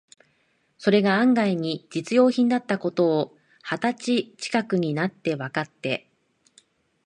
それが案外に実用品だった事を、二十歳ちかくになってわかって、